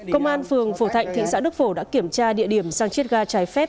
công an phường phổ thạnh thị xã đức phổ đã kiểm tra địa điểm sang chiết ga trái phép